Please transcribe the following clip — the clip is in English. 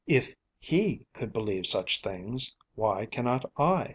"If he could believe such things, why can not I?"